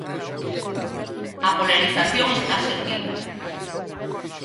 A polarización está servida.